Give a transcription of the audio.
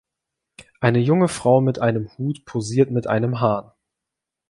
Eine junge Frau mit einem Hut posiert mit einem Hahn.